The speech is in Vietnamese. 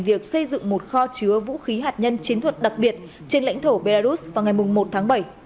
việc xây dựng một kho chứa vũ khí hạt nhân chiến thuật đặc biệt trên lãnh thổ belarus vào ngày một tháng bảy